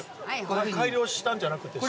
改良したんじゃなくて。